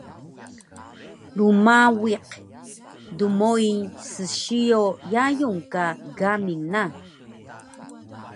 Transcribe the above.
rmawiq dmoi ssiyo yayung ka gamil na